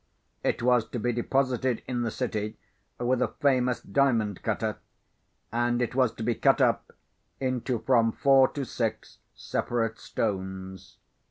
It was to be deposited in that city with a famous diamond cutter, and it was to be cut up into from four to six separate stones.